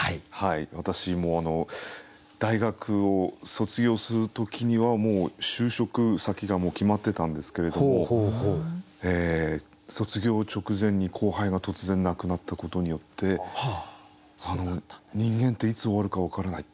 私大学を卒業する時にはもう就職先が決まってたんですけれども卒業直前に後輩が突然亡くなったことによって人間っていつ終わるか分からない。